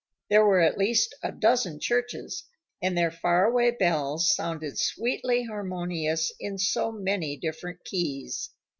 There were at least a dozen churches, and their far away bells sounded sweetly harmonious in so many different keys.